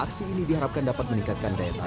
aksi ini diharapkan dapat meningkatkan kesehatan